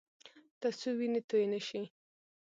ترڅو وینې تویې نه شي